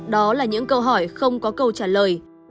đó là những câu hỏi không có câu trả lời